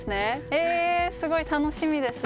えー、すごい楽しみです。